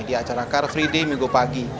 di acara car free day minggu pagi